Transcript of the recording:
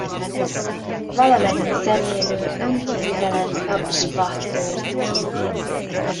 Valamennyi szemlélő önkéntelen tapsba tört ki.